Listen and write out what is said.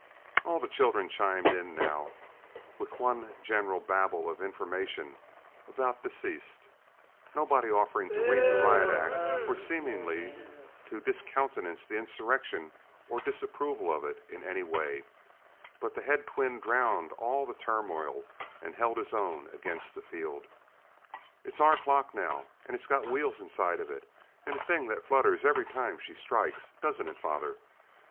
All the children chimed in, now, with one general Babel of information about deceased nobody offering to read the riot act or seeming to discountenance the insurrection or disapprove of it in any way but the head twin drowned all the turmoil and held his own against the field: "It's our clock, now and it's got wheels inside of it, and a thing that flutters every time she strikes don't it, father!